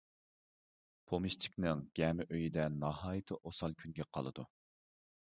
پومېشچىكنىڭ گەمە ئۆيىدە ناھايىتى ئوسال كۈنگە قالىدۇ.